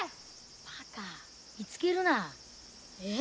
バカ見つけるな。え？